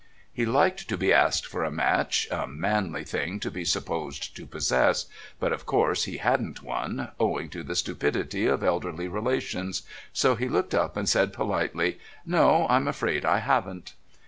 He liked to be asked for a match, a manly thing to be supposed to possess, but, of course, he hadn't one, owing to the stupidity of elderly relations, so he looked up and said politely: "No, I'm afraid I haven't."